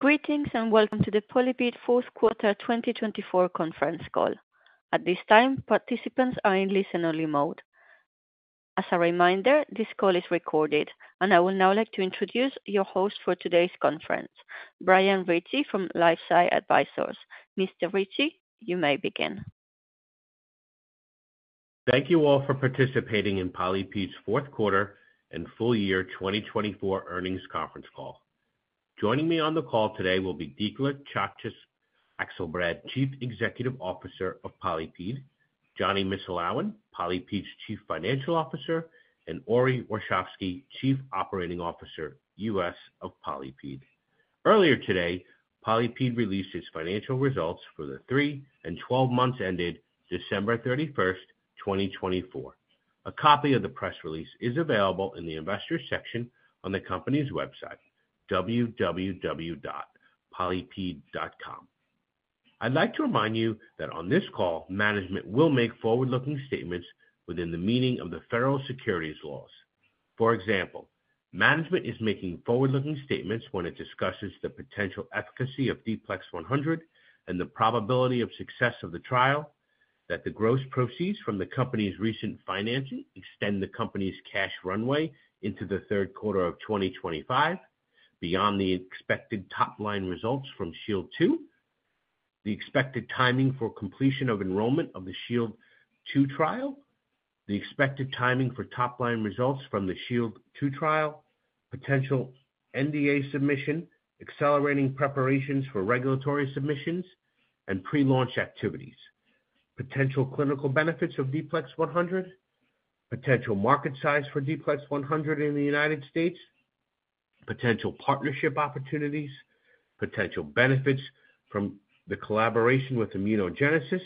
Greetings and welcome to the PolyPid Q4 2024 conference call. At this time, participants are in listen-only mode. As a reminder, this call is recorded, and I would now like to introduce your host for today's conference, Brian Ricci from LifeSci Advisors. Mr. Ricci, you may begin. Thank you all for participating in PolyPid's Q4 and full year 2024 earnings conference call. Joining me on the call today will be Dikla Czaczkes Akselbrad, Chief Executive Officer of PolyPid, Jonny Missulawin, PolyPid's Chief Financial Officer, and Ori Warshavsky, Chief Operating Officer, U.S. of PolyPid. Earlier today, PolyPid released its financial results for the three and 12 months ended December 31, 2024. A copy of the press release is available in the investor section on the company's website, www.polypid.com. I'd like to remind you that on this call, management will make forward-looking statements within the meaning of the federal securities laws. For example, management is making forward-looking statements when it discusses the potential efficacy of D-PLEX100 and the probability of success of the trial, that the gross proceeds from the company's recent financing extend the company's cash runway into the third quarter of 2025, beyond the expected top-line results from Shield II, the expected timing for completion of enrollment of the Shield II trial, the expected timing for top-line results from the Shield II trial, potential NDA submission, accelerating preparations for regulatory submissions, and pre-launch activities, potential clinical benefits of D-PLEX100, potential market size for D-PLEX100 in the United States, potential partnership opportunities, potential benefits from the collaboration with ImmunoGenesis,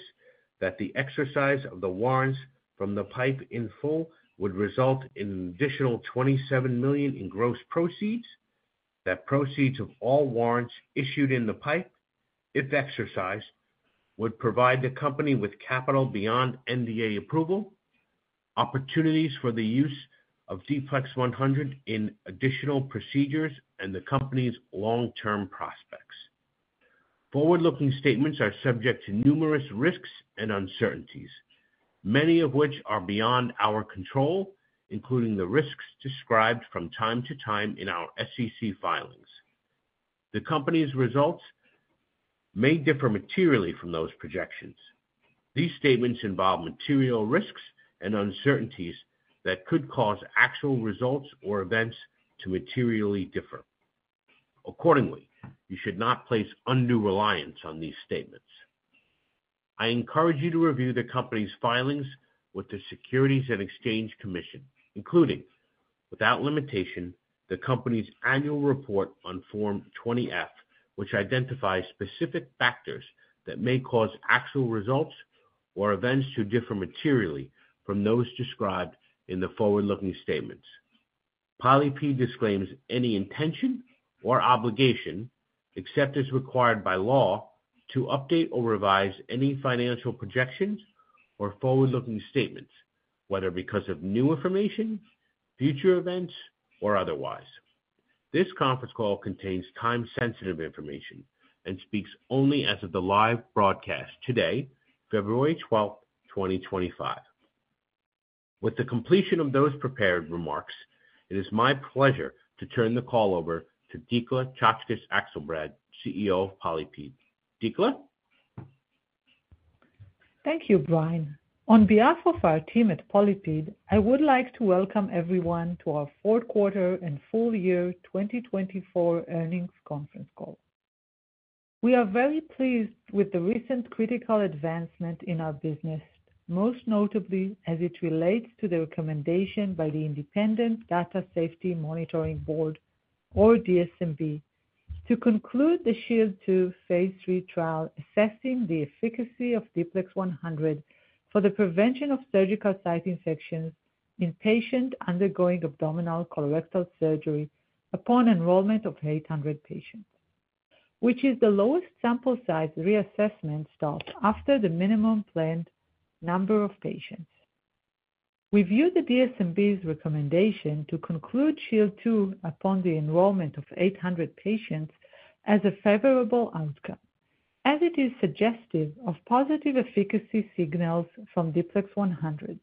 that the exercise of the warrants from the pipe in full would result in an additional $27 million in gross proceeds, that proceeds of all warrants issued in the pipe, if exercised, would provide the company with capital beyond NDA approval, opportunities for the use of D-PLEX100 in additional procedures, and the company's long-term prospects. Forward-looking statements are subject to numerous risks and uncertainties, many of which are beyond our control, including the risks described from time to time in our SEC filings. The company's results may differ materially from those projections. These statements involve material risks and uncertainties that could cause actual results or events to materially differ. Accordingly, you should not place undue reliance on these statements. I encourage you to review the company's filings with the Securities and Exchange Commission, including, without limitation, the company's annual report on Form 20-F, which identifies specific factors that may cause actual results or events to differ materially from those described in the forward-looking statements. PolyPid disclaims any intention or obligation, except as required by law, to update or revise any financial projections or forward-looking statements, whether because of new information, future events, or otherwise. This conference call contains time-sensitive information and speaks only as of the live broadcast today, February 12, 2025. With the completion of those prepared remarks, it is my pleasure to turn the call over to Dikla Czaczkes Akselbrad, CEO of PolyPid. Dikla? Thank you, Brian. On behalf of our team at PolyPid, I would like to welcome everyone to our Q4 and full year 2024 earnings conference call. We are very pleased with the recent critical advancement in our business, most notably as it relates to the recommendation by the Independent Data Safety Monitoring Board, or DSMB, to conclude the Shield II phase III trial assessing the efficacy of D-PLEX100 for the prevention of surgical site infections in patients undergoing abdominal colorectal surgery upon enrollment of 800 patients, which is the lowest sample size reassessment stop after the minimum planned number of patients. We view the DSMB's recommendation to conclude Shield 2 upon the enrollment of 800 patients as a favorable outcome, as it is suggestive of positive efficacy signals from D-PLEX100.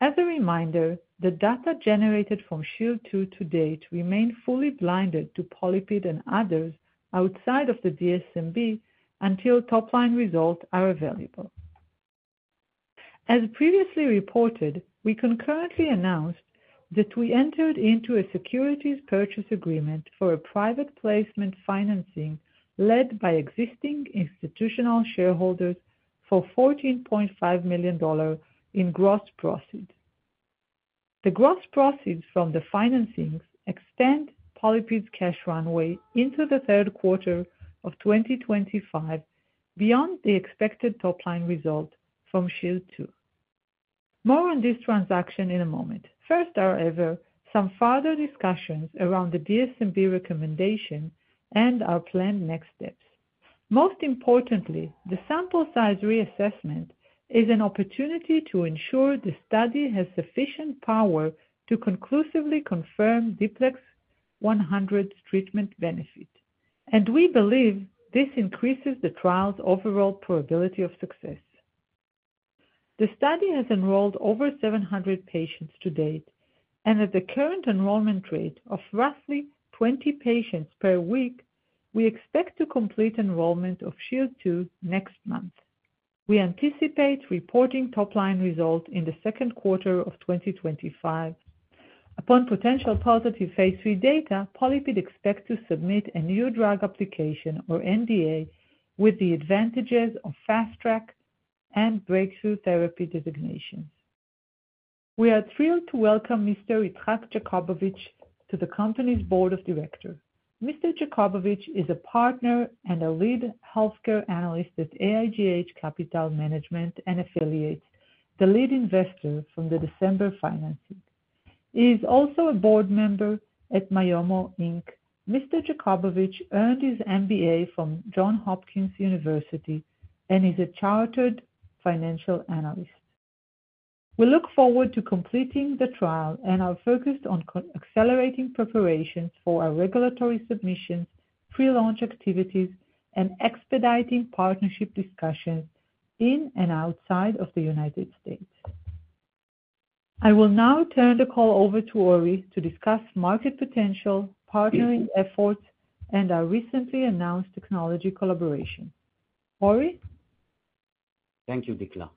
As a reminder, the data generated from Shield II to date remain fully blinded to PolyPid and others outside of the DSMB until top-line results are available. As previously reported, we concurrently announced that we entered into a securities purchase agreement for a private placement financing led by existing institutional shareholders for $14.5 million in gross proceeds. The gross proceeds from the financings extend PolyPid's cash runway into the third quarter of 2025 beyond the expected top-line result from Shield II. More on this transaction in a moment. First, however, some further discussions around the DSMB recommendation and our planned next steps. Most importantly, the sample size reassessment is an opportunity to ensure the study has sufficient power to conclusively confirm D-PLEX100's treatment benefit, and we believe this increases the trial's overall probability of success. The study has enrolled over 700 patients to date, and at the current enrollment rate of roughly 20 patients per week, we expect to complete enrollment of Shield II next month. We anticipate reporting top-line results in the second quarter of 2025. Upon potential positive phase III data, PolyPid expects to submit a new drug application, or NDA, with the advantages of fast-track and breakthrough therapy designations. We are thrilled to welcome Mr. Ittrak Jakubovic to the company's board of directors. Mr. Jakubovic is a partner and a lead healthcare analyst at AIGH Capital Management and Affiliates, the lead investor from the December financing. He is also a board member at Mayomo Inc. Mr. Jakubovic earned his MBA from Johns Hopkins University and is a chartered financial analyst. We look forward to completing the trial and are focused on accelerating preparations for our regulatory submissions, pre-launch activities, and expediting partnership discussions in and outside of the United States. I will now turn the call over to Ori to discuss market potential, partnering efforts, and our recently announced technology collaboration. Ori? Thank you, Dikla.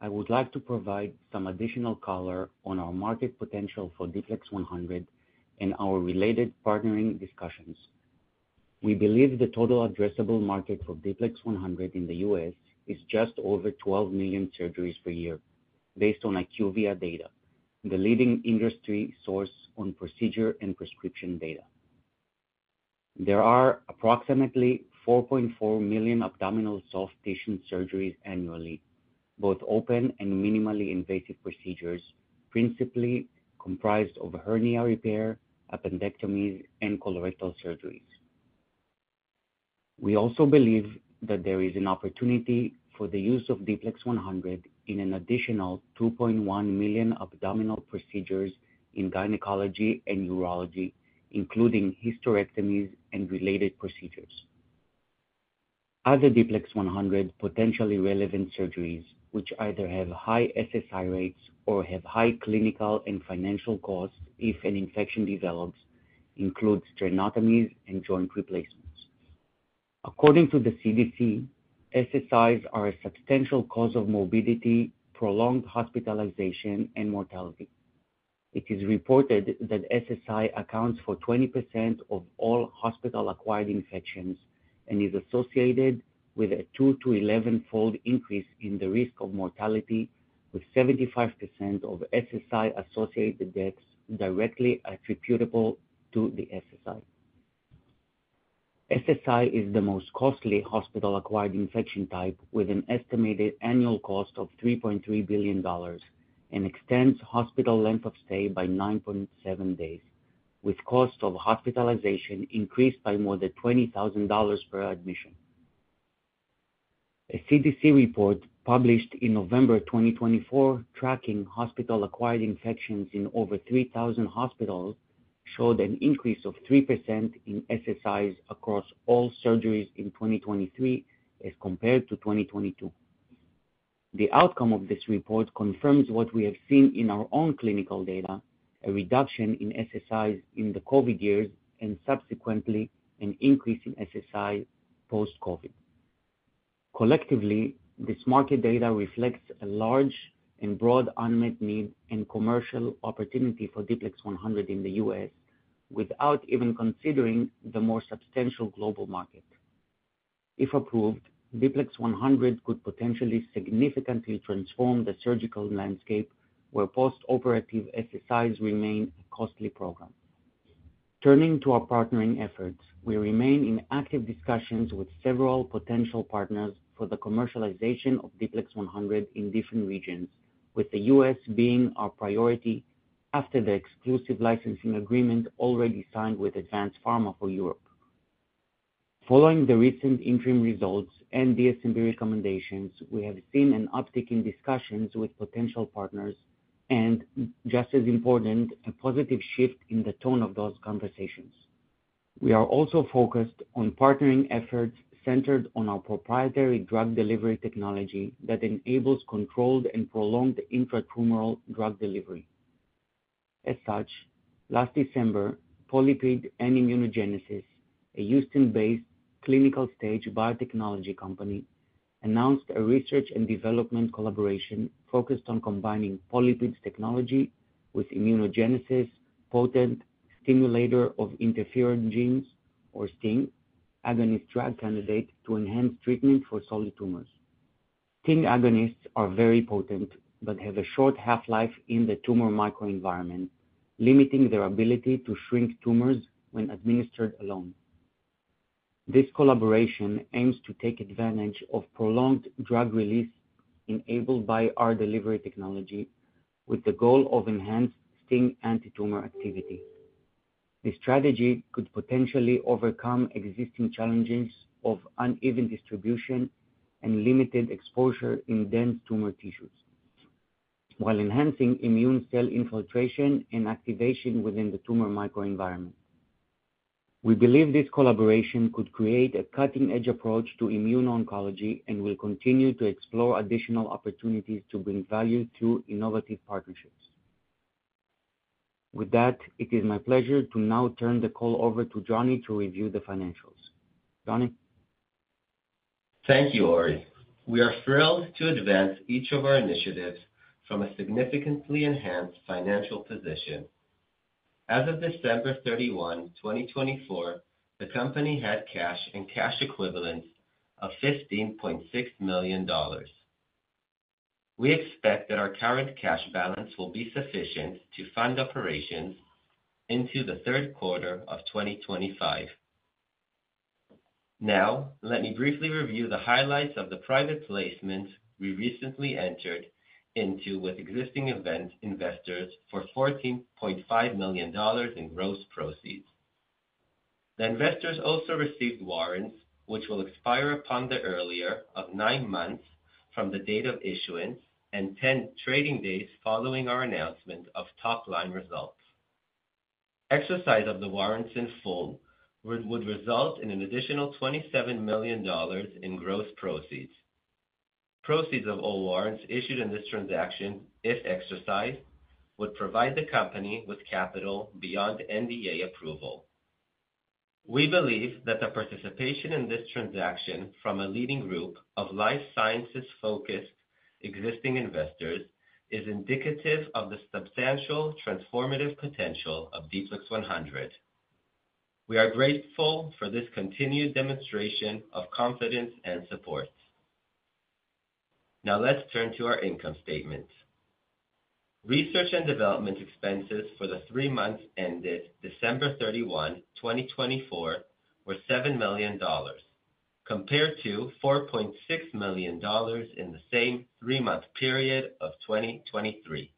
I would like to provide some additional color on our market potential for D-PLEX100 and our related partnering discussions. We believe the total addressable market for D-PLEX100 in the U.S. is just over 12 million surgeries per year, based on IQVIA data, the leading industry source on procedure and prescription data. There are approximately 4.4 million abdominal soft tissue surgeries annually, both open and minimally invasive procedures, principally comprised of hernia repair, appendectomies, and colorectal surgeries. We also believe that there is an opportunity for the use of D-PLEX100 in an additional 2.1 million abdominal procedures in gynecology and urology, including hysterectomies and related procedures. Other D-PLEX100 potentially relevant surgeries, which either have high SSI rates or have high clinical and financial costs if an infection develops, include sternotomies and joint replacements. According to the CDC, SSIs are a substantial cause of morbidity, prolonged hospitalization, and mortality. It is reported that SSI accounts for 20% of all hospital-acquired infections and is associated with a 2-11-fold increase in the risk of mortality, with 75% of SSI-associated deaths directly attributable to the SSI. SSI is the most costly hospital-acquired infection type, with an estimated annual cost of $3.3 billion and extends hospital length of stay by 9.7 days, with the cost of hospitalization increased by more than $20,000 per admission. A CDC report published in November 2024 tracking hospital-acquired infections in over 3,000 hospitals showed an increase of 3% in SSIs across all surgeries in 2023 as compared to 2022. The outcome of this report confirms what we have seen in our own clinical data: a reduction in SSIs in the COVID years and subsequently an increase in SSI post-COVID. Collectively, this market data reflects a large and broad unmet need and commercial opportunity for D-PLEX100 in the U.S., without even considering the more substantial global market. If approved, D-PLEX100 could potentially significantly transform the surgical landscape where post-operative SSIs remain a costly program. Turning to our partnering efforts, we remain in active discussions with several potential partners for the commercialization of D-PLEX100 in different regions, with the U.S. being our priority after the exclusive licensing agreement already signed with Advanced Pharma for Europe. Following the recent interim results and DSMB recommendations, we have seen an uptick in discussions with potential partners and, just as important, a positive shift in the tone of those conversations. We are also focused on partnering efforts centered on our proprietary drug delivery technology that enables controlled and prolonged intratumoral drug delivery. As such, last December, PolyPid and ImmunoGenesis, a Houston-based clinical stage Biotechnology company, announced a research and development collaboration focused on combining PolyPid's technology with ImmunoGenesis, a potent stimulator of interferon genes, or STING, agonist drug candidate to enhance treatment for solid tumors. STING agonists are very potent but have a short half-life in the tumor microenvironment, limiting their ability to shrink tumors when administered alone. This collaboration aims to take advantage of prolonged drug release enabled by our delivery technology, with the goal of enhanced STING anti-tumor activity. The strategy could potentially overcome existing challenges of uneven distribution and limited exposure in dense tumor tissues, while enhancing immune cell infiltration and activation within the tumor microenvironment. We believe this collaboration could create a cutting-edge approach to immune oncology and will continue to explore additional opportunities to bring value through innovative partnerships. With that, it is my pleasure to now turn the call over to Jonny to review the financials. Jonny? Thank you, Ori. We are thrilled to advance each of our initiatives from a significantly enhanced financial position. As of December 31, 2024, the company had cash and cash equivalents of $15.6 million. We expect that our current cash balance will be sufficient to fund operations into the third quarter of 2025. Now, let me briefly review the highlights of the private placements we recently entered into with existing event investors for $14.5 million in gross proceeds. The investors also received warrants, which will expire upon the earlier of 9 months from the date of issuance and 10 trading days following our announcement of top-line results. Exercise of the warrants in full would result in an additional $27 million in gross proceeds. Proceeds of all warrants issued in this transaction, if exercised, would provide the company with capital beyond NDA approval. We believe that the participation in this transaction from a leading group of life sciences-focused existing investors is indicative of the substantial transformative potential of D-PLEX100. We are grateful for this continued demonstration of confidence and support. Now, let's turn to our income statements. Research and development expenses for the three months ended December 31, 2024, were $7 million, compared to $4.6 million in the same three-month period of 2023.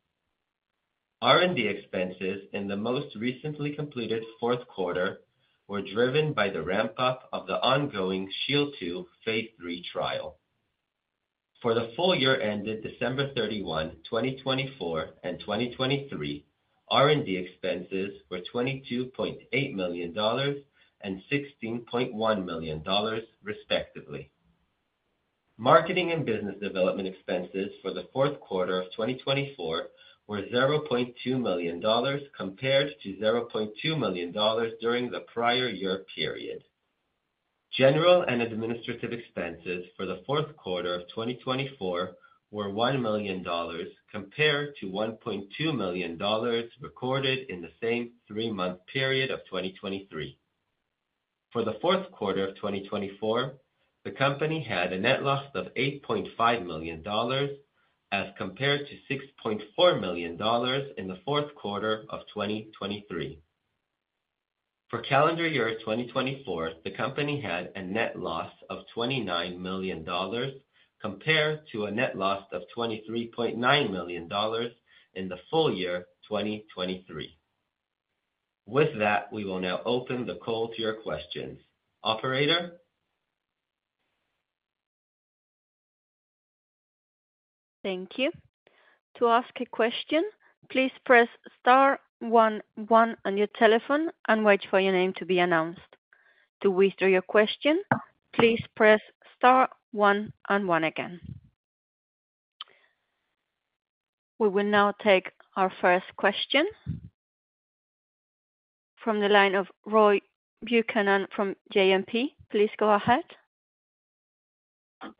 R&D expenses in the most recently completed fourth quarter were driven by the ramp-up of the ongoing Shield II phase III trial. For the full year ended December 31, 2024, and 2023, R&D expenses were $22.8 million and $16.1 million, respectively. Marketing and business development expenses for the fourth quarter of 2024 were $0.2 million, compared to $0.2 million during the prior year period. General and administrative expenses for the fourth quarter of 2024 were $1 million, compared to $1.2 million recorded in the same 3 month period of 2023. For the fourth quarter of 2024, the company had a net loss of $8.5 million as compared to $6.4 million in the fourth quarter of 2023. For calendar year 2024, the company had a net loss of $29 million, compared to a net loss of $23.9 million in the full year 2023. With that, we will now open the call to your questions. Operator? Thank you. To ask a question, please press star 1, 1 on your telephone and wait for your name to be announced. To withdraw your question, please press star 1, 1 again. We will now take our first question from the line of Roy Buchanan from JMP. Please go ahead.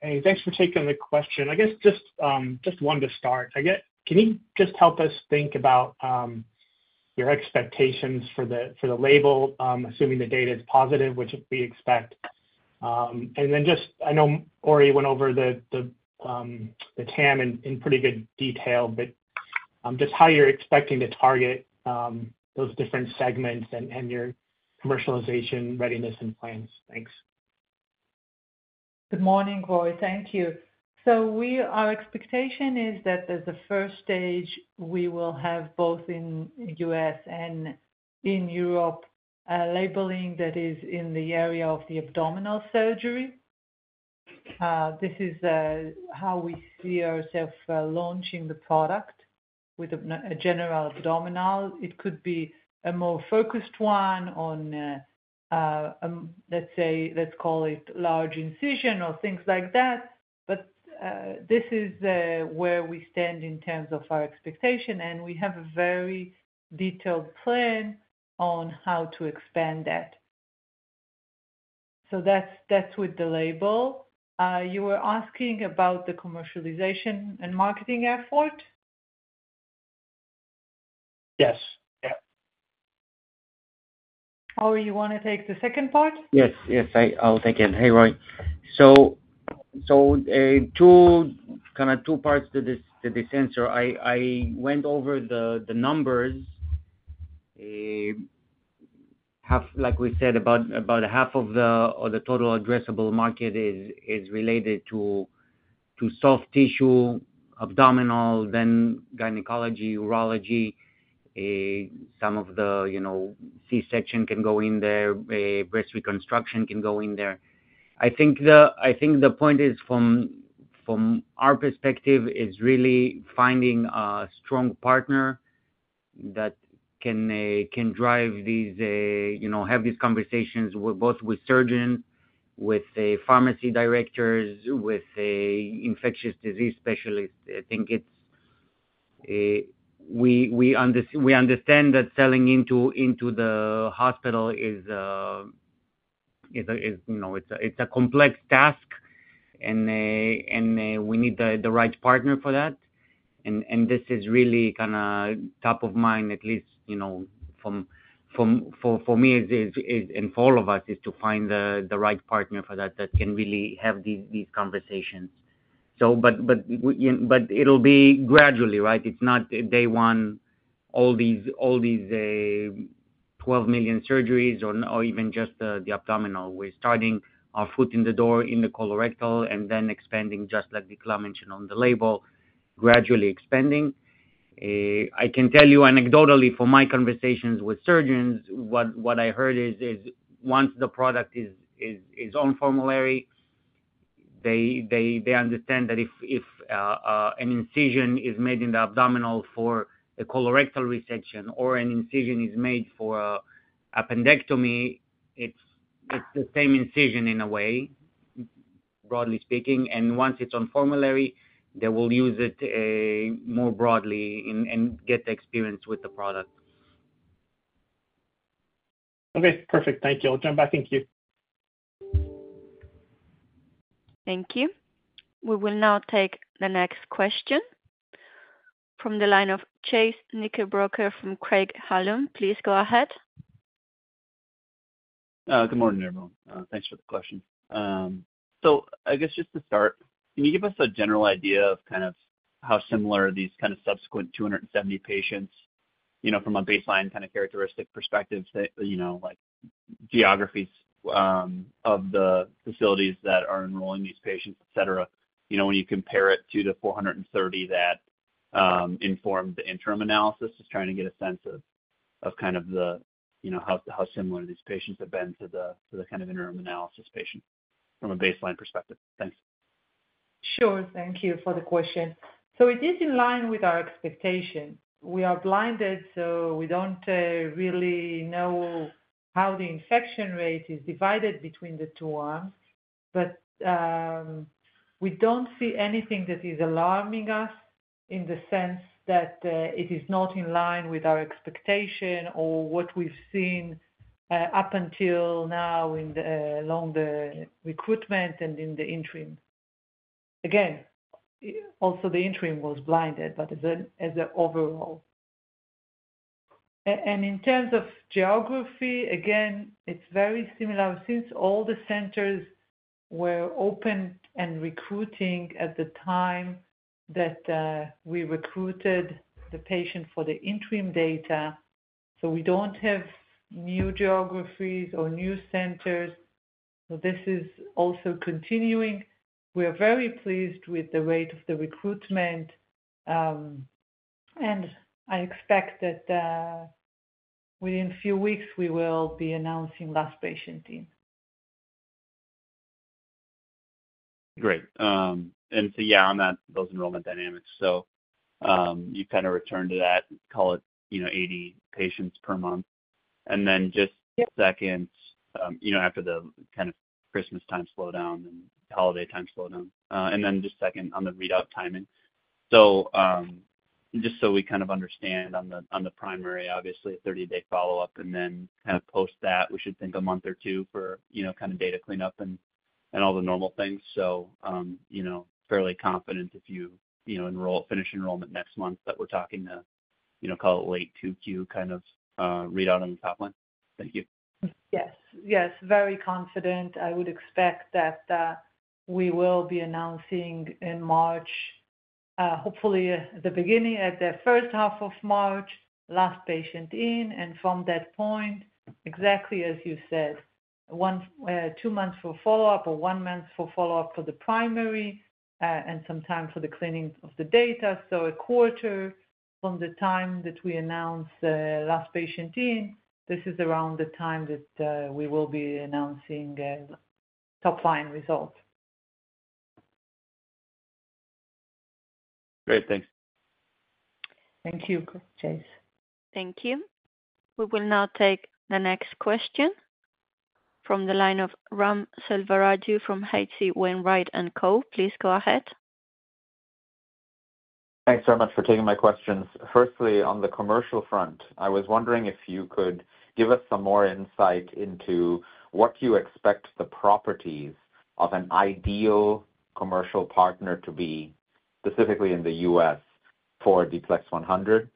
Hey, thanks for taking the question. I guess just one to start. Can you just help us think about your expectations for the label, assuming the data is positive, which we expect? I know Ori went over the TAM in pretty good detail, but just how you're expecting to target those different segments and your commercialization readiness and plans. Thanks. Good morning, Roy. Thank you. Our expectation is that as a 1st stage, we will have both in the U.S. and in Europe a labeling that is in the area of the abdominal surgery. This is how we see ourselves launching the product with a general abdominal. It could be a more focused one on, let's say, let's call it large incision or things like that. This is where we stand in terms of our expectation, and we have a very detailed plan on how to expand that. That is with the label. You were asking about the commercialization and marketing effort? Yes. Yeah. Ori, you want to take the second part? Yes. Yes. I'll take it. Hey, Roy. Kind of two parts to this answer. I went over the numbers. Like we said, about half of the total addressable market is related to soft tissue, abdominal, then gynecology, urology, some of the C-section can go in there, breast reconstruction can go in there. I think the point is, from our perspective, is really finding a strong partner that can drive these, have these conversations both with surgeons, with pharmacy directors, with infectious disease specialists. I think we understand that selling into the hospital is a complex task, and we need the right partner for that. This is really kind of top of mind, at least for me and for all of us, to find the right partner for that that can really have these conversations. It'll be gradually, right? It's not day one, all these 12 million surgeries or even just the abdominal. We're starting our foot in the door in the colorectal and then expanding, just like Dikla mentioned on the label, gradually expanding. I can tell you anecdotally from my conversations with surgeons, what I heard is once the product is on formulary, they understand that if an incision is made in the abdominal for a colorectal resection or an incision is made for appendectomy, it's the same incision in a way, broadly speaking. Once it's on formulary, they will use it more broadly and get the experience with the product. Okay. Perfect. Thank you. I'll jump back in here. Thank you. We will now take the next question from the line of Chase Knickerbocker from Craig-Hallum. Please go ahead. Good morning, everyone. Thanks for the question. I guess just to start, can you give us a general idea of kind of how similar are these kind of subsequent 270 patients from a baseline kind of characteristic perspective, like geographies of the facilities that are enrolling these patients, et cetera, when you compare it to the 430 that informed the interim analysis? Just trying to get a sense of kind of how similar these patients have been to the kind of interim analysis patient from a baseline perspective. Thanks. Sure. Thank you for the question. It is in line with our expectation. We are blinded, so we do not really know how the infection rate is divided between the two arms. We do not see anything that is alarming us in the sense that it is not in line with our expectation or what we have seen up until now along the recruitment and in the interim. Again, also the interim was blinded, but as an overall. In terms of geography, it is very similar since all the centers were open and recruiting at the time that we recruited the patient for the interim data. We do not have new geographies or new centers. This is also continuing. We are very pleased with the rate of the recruitment. I expect that within a few weeks, we will be announcing last patient in. Great. Yeah, on those enrollment dynamics, you kind of return to that, call it 80 patients per month. Just seconds after the kind of Christmas time slowdown and holiday time slowdown. Just second on the readout timing. Just so we kind of understand on the primary, obviously, a 30-day follow-up, and then kind of post that, we should think a month or two for kind of data cleanup and all the normal things. Fairly confident if you finish enrollment next month that we're talking to call it late 2Q kind of readout on the top line. Thank you. Yes. Yes. Very confident. I would expect that we will be announcing in March, hopefully the beginning at the first half of March, last patient in. From that point, exactly as you said, 2 months for follow-up or 1 month for follow-up for the primary and some time for the cleaning of the data. A quarter from the time that we announce last patient in, this is around the time that we will be announcing top-line results. Great. Thanks. Thank you, Chase. Thank you. We will now take the next question from the line of Ram Selvaraju from HC Wainwright & Co. Please go ahead. Thanks very much for taking my questions. Firstly, on the commercial front, I was wondering if you could give us some more insight into what you expect the properties of an ideal commercial partner to be, specifically in the U.S. for D-PLEX100.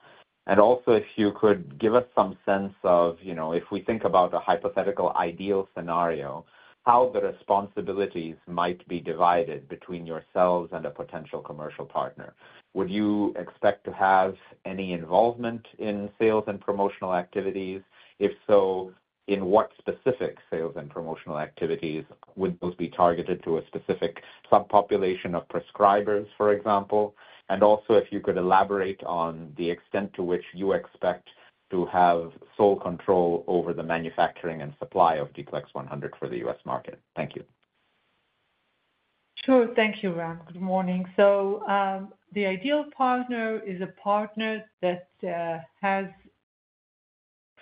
Also, if you could give us some sense of, if we think about a hypothetical ideal scenario, how the responsibilities might be divided between yourselves and a potential commercial partner. Would you expect to have any involvement in sales and promotional activities? If so, in what specific sales and promotional activities would those be targeted to a specific subpopulation of prescribers, for example? Also, if you could elaborate on the extent to which you expect to have sole control over the manufacturing and supply of D-PLEX100 for the U.S. market. Thank you. Thank you, Ram. Good morning. The ideal partner is a partner that has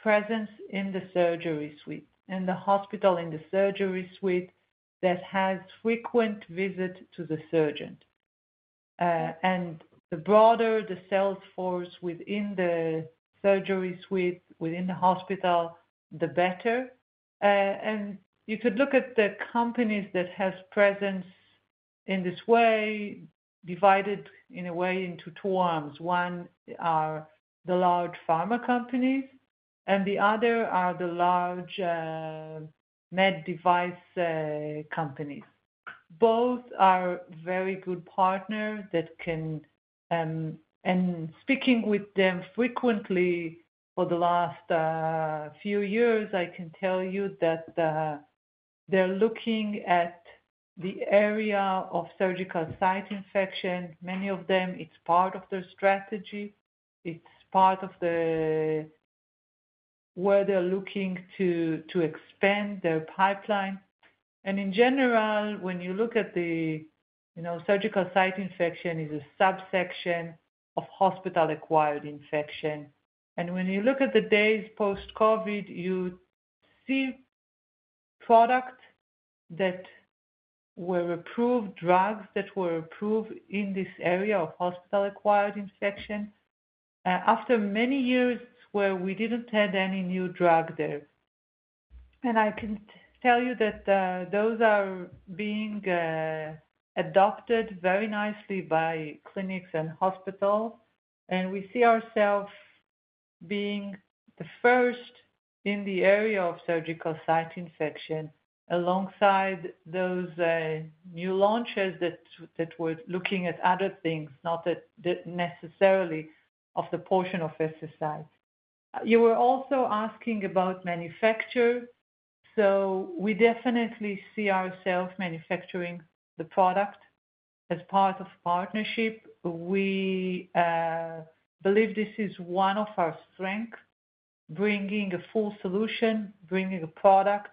presence in the surgery suite, in the hospital, in the surgery suite that has frequent visits to the surgeon. The broader the sales force within the surgery suite, within the hospital, the better. You could look at the companies that have presence in this way, divided in a way into two arms. One are the large pharma companies, and the other are the large med device companies. Both are very good partners that can speaking with them frequently for the last few years, I can tell you that they're looking at the area of surgical site infection. Many of them, it's part of their strategy. It's part of where they're looking to expand their pipeline. In general, when you look at the surgical site infection, it is a subsection of hospital-acquired infection. When you look at the days post-COVID, you see products that were approved, drugs that were approved in this area of hospital-acquired infection after many years where we did not have any new drug there. I can tell you that those are being adopted very nicely by clinics and hospitals. We see ourselves being the first in the area of surgical site infection alongside those new launches that were looking at other things, not necessarily of the portion of SSI. You were also asking about manufacture. We definitely see ourselves manufacturing the product as part of partnership. We believe this is one of our strengths, bringing a full solution, bringing a product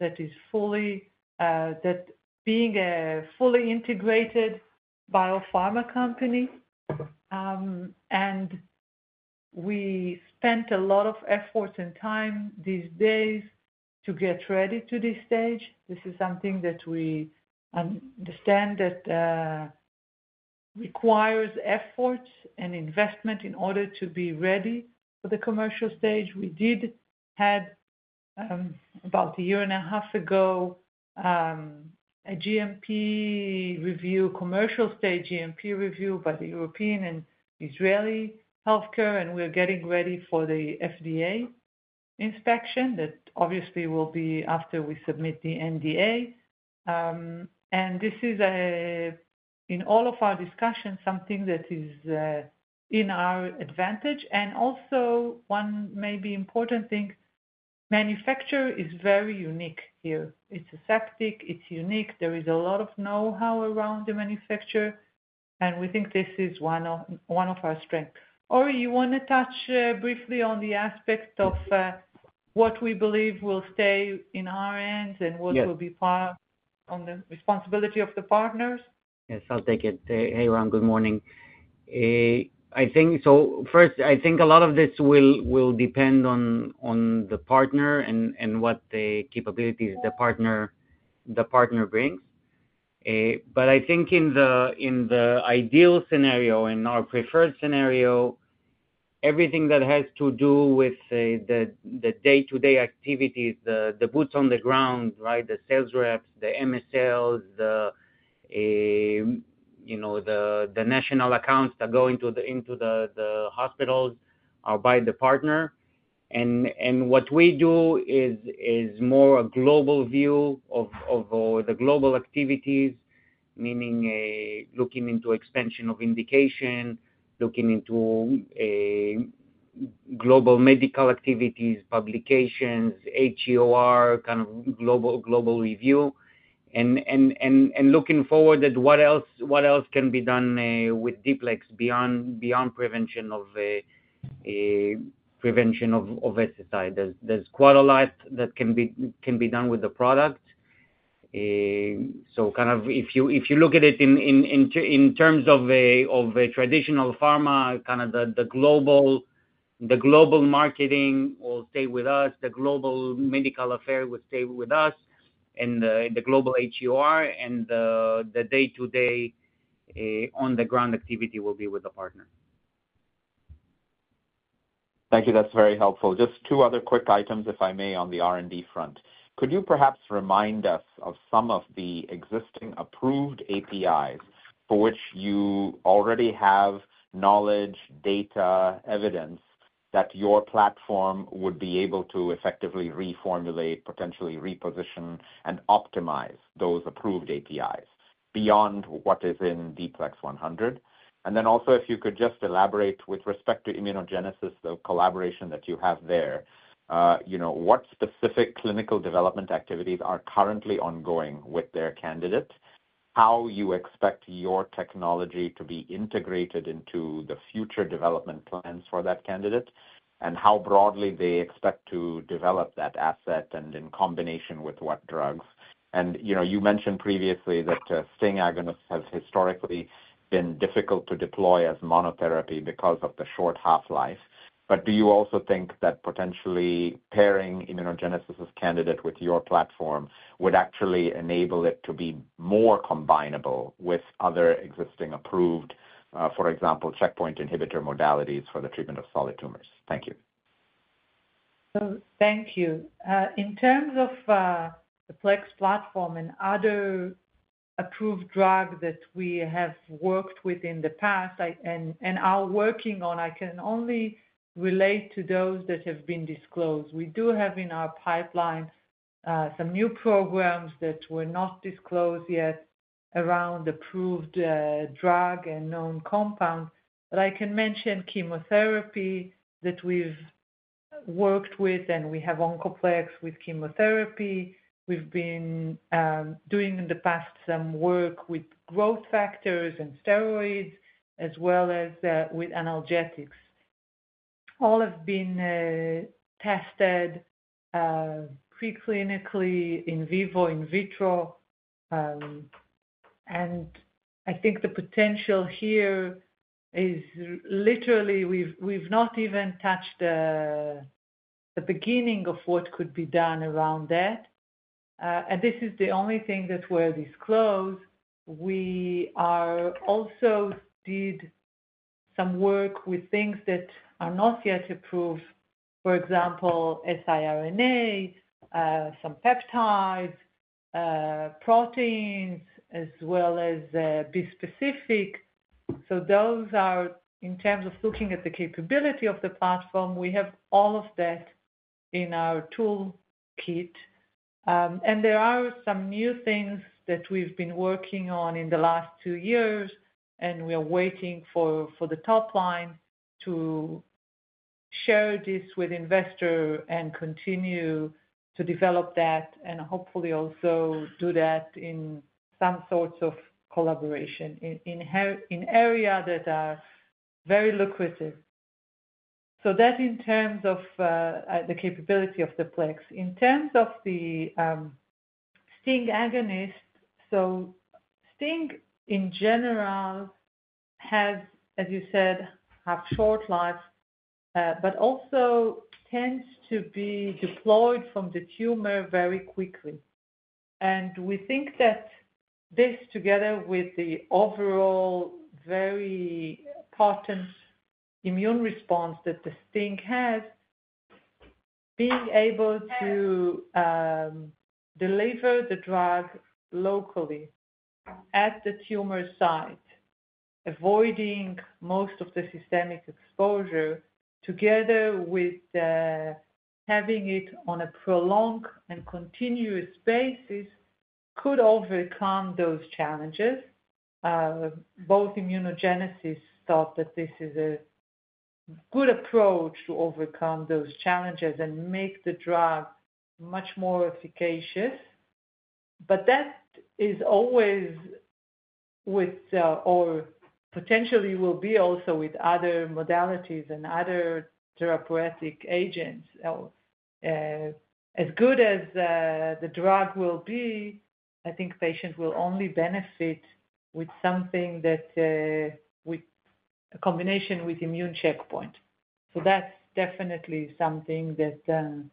that is fully—that being a fully integrated biopharma company. We spent a lot of effort and time these days to get ready to this stage. This is something that we understand that requires effort and investment in order to be ready for the commercial stage. We did have about a year and a half ago a GMP review, commercial stage GMP review by the European and Israeli healthcare. We are getting ready for the FDA inspection that obviously will be after we submit the NDA. This is, in all of our discussions, something that is in our advantage. Also, one maybe important thing, manufacture is very unique here. It is aseptic. It is unique. There is a lot of know-how around the manufacturer. We think this is one of our strengths. Ori, you want to touch briefly on the aspect of what we believe will stay in our hands and what will be part of the responsibility of the partners? Yes. I'll take it. Hey, Ram. Good morning. I think a lot of this will depend on the partner and what the capabilities the partner brings. I think in the ideal scenario, in our preferred scenario, everything that has to do with the day-to-day activities, the boots on the ground, right, the sales reps, the MSLs, the national accounts that go into the hospitals are by the partner. What we do is more a global view of the global activities, meaning looking into expansion of indication, looking into global medical activities, publications, HEOR, kind of global review, and looking forward at what else can be done with D-PLEX100 beyond prevention of SSI. There's quite a lot that can be done with the product. If you look at it in terms of a traditional pharma, kind of the global marketing will stay with us. The global medical affair will stay with us and the global HEOR. The day-to-day on-the-ground activity will be with the partner. Thank you. That's very helpful. Just two other quick items, if I may, on the R&D front. Could you perhaps remind us of some of the existing approved APIs for which you already have knowledge, data, evidence that your platform would be able to effectively reformulate, potentially reposition, and optimize those approved APIs beyond what is in D-PLEX100? Also, if you could just elaborate with respect to ImmunoGenesis, the collaboration that you have there, what specific clinical development activities are currently ongoing with their candidate? How do you expect your technology to be integrated into the future development plans for that candidate? How broadly do they expect to develop that asset and in combination with what drugs? You mentioned previously that STING agonists have historically been difficult to deploy as monotherapy because of the short half-life. Do you also think that potentially pairing ImmunoGenesis's candidate with your platform would actually enable it to be more combinable with other existing approved, for example, checkpoint inhibitor modalities for the treatment of solid tumors? Thank you. Thank you. In terms of the PLEX platform and other approved drugs that we have worked with in the past and are working on, I can only relate to those that have been disclosed. We do have in our pipeline some new programs that were not disclosed yet around approved drug and known compound. I can mention chemotherapy that we've worked with, and we have Oncoplex with chemotherapy. We've been doing in the past some work with growth factors and steroids as well as with analgesics. All have been tested preclinically, in vivo, in vitro. I think the potential here is literally we've not even touched the beginning of what could be done around that. This is the only thing that we're disclosed. We also did some work with things that are not yet approved, for example, siRNA, some peptides, proteins, as well as B-specific. Those are, in terms of looking at the capability of the platform, we have all of that in our toolkit. There are some new things that we've been working on in the last two years. We are waiting for the top line to share this with investors and continue to develop that and hopefully also do that in some sorts of collaboration in areas that are very lucrative. That is in terms of the capability of the PLEX. In terms of the STING agonist, STING in general has, as you said, short life, but also tends to be deployed from the tumor very quickly. We think that this together with the overall very potent immune response that the STING has, being able to deliver the drug locally at the tumor site, avoiding most of the systemic exposure, together with having it on a prolonged and continuous basis, could overcome those challenges. Both ImmunoGenesis thought that this is a good approach to overcome those challenges and make the drug much more efficacious. That is always with, or potentially will be also with other modalities and other therapeutic agents. As good as the drug will be, I think patients will only benefit with something that with a combination with immune checkpoint. That is definitely something that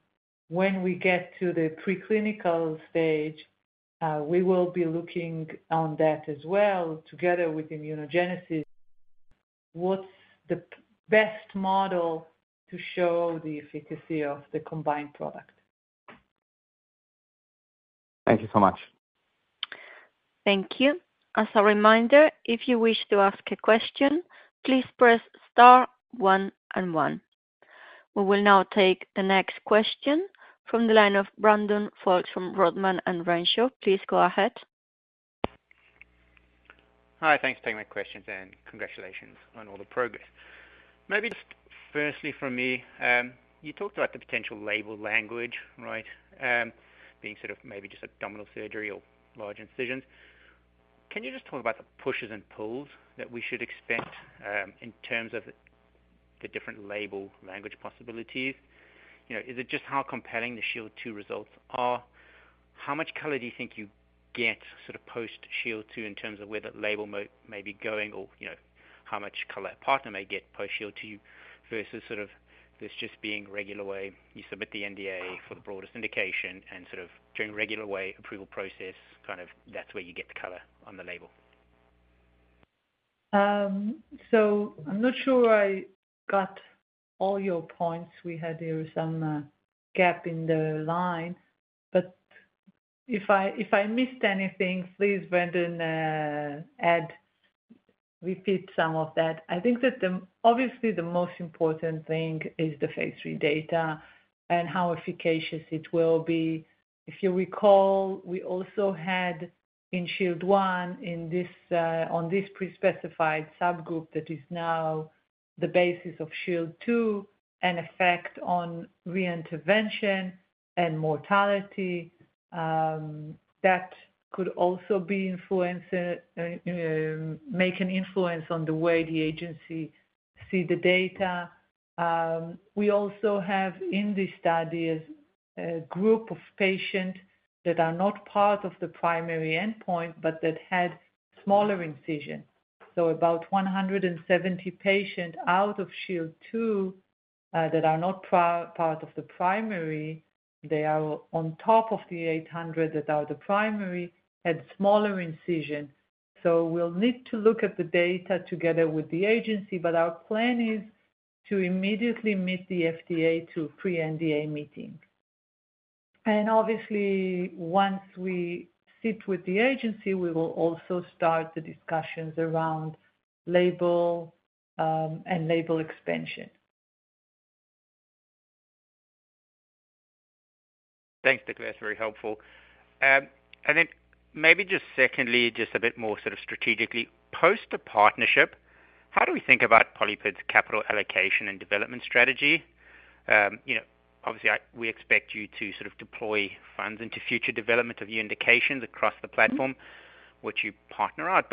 when we get to the preclinical stage, we will be looking on that as well together with ImmunoGenesis, what is the best model to show the efficacy of the combined product. Thank you so much. Thank you. As a reminder, if you wish to ask a question, please press star 1 and 1. We will now take the next question from the line of Brandon Folkes from Rodman & Renshaw. Please go ahead. Hi. Thanks for taking my questions, and congratulations on all the progress. Maybe just firstly from me, you talked about the potential label language, right, being sort of maybe just abdominal surgery or large incisions. Can you just talk about the pushes and pulls that we should expect in terms of the different label language possibilities? Is it just how compelling the SHIELD II results are? How much color do you think you get sort of post-SHIELD II in terms of where the label may be going or how much color a partner may get post-SHIELD II versus sort of this just being regular way you submit the NDA for the broadest indication and sort of during regular way approval process, kind of that's where you get the color on the label? I'm not sure I got all your points. We had some gap in the line. If I missed anything, please, Brandon, repeat some of that. I think that obviously the most important thing is the phase III data and how efficacious it will be. If you recall, we also had in SHIELD I on this pre-specified subgroup that is now the basis of SHIELD II and effect on reintervention and mortality. That could also make an influence on the way the agency sees the data. We also have in these studies a group of patients that are not part of the primary endpoint, but that had smaller incision. About 170 patients out of SHIELD II that are not part of the primary. They are on top of the 800 that are the primary, had smaller incision. We will need to look at the data together with the agency. Our plan is to immediately meet the FDA to pre-NDA meeting. Obviously, once we sit with the agency, we will also start the discussions around label and label expansion. Thanks, Dikla. That's very helpful. Maybe just secondly, just a bit more sort of strategically, post the partnership, how do we think about PolyPid's capital allocation and development strategy? Obviously, we expect you to sort of deploy funds into future development of your indications across the platform, which you partner out.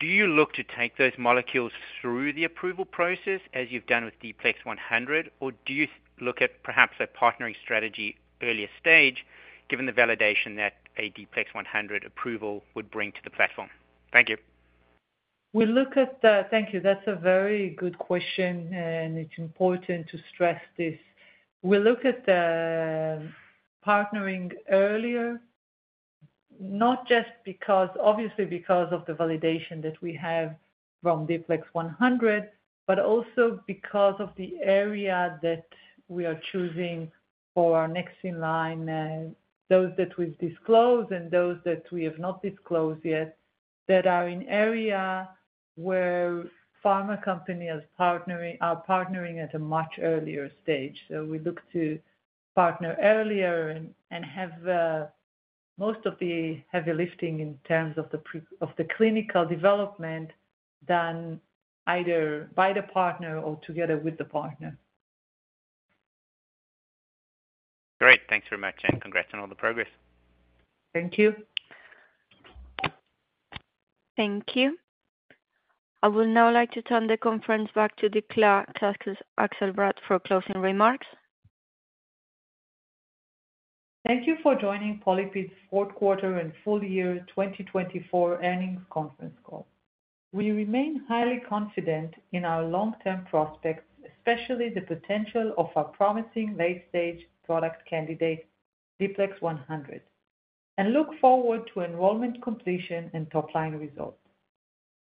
Do you look to take those molecules through the approval process as you've done with D-PLEX100? Or do you look at perhaps a partnering strategy earlier stage, given the validation that a D-PLEX100 approval would bring to the platform? Thank you. We look at the—thank you. That's a very good question, and it's important to stress this. We look at partnering earlier, not just obviously because of the validation that we have from D-PLEX100, but also because of the area that we are choosing for our next in line, those that we've disclosed and those that we have not disclosed yet, that are in an area where pharma companies are partnering at a much earlier stage. We look to partner earlier and have most of the heavy lifting in terms of the clinical development done either by the partner or together with the partner. Great. Thanks very much. Congrats on all the progress. Thank you. Thank you. I would now like to turn the conference back to Dikla Czaczkes Akselbrad for closing remarks. Thank you for joining PolyPid's fourth quarter and full year 2024 earnings conference call. We remain highly confident in our long-term prospects, especially the potential of our promising late-stage product candidate, D-PLEX100, and look forward to enrollment completion and top-line results.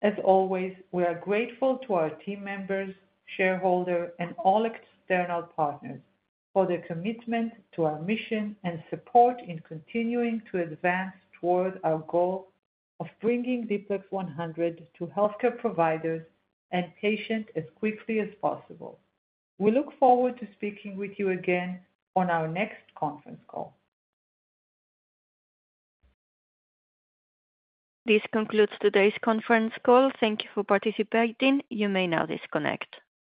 As always, we are grateful to our team members, shareholders, and all external partners for their commitment to our mission and support in continuing to advance toward our goal of bringing D-PLEX100 to healthcare providers and patients as quickly as possible. We look forward to speaking with you again on our next conference call. This concludes today's conference call. Thank you for participating. You may now disconnect.